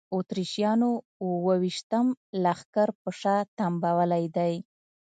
اتریشیانو اوه ویشتم لښکر په شا تنبولی دی.